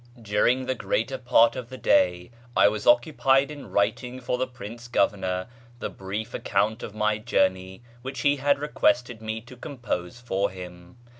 — During the greater part of the day I was occupied in writing for the Prince Governor the brief account of my journey which he had requested me to compose for him.